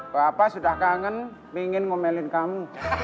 bapak sudah kangen ingin ngomelin kamu